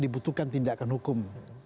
dibutuhkan tindakan hukum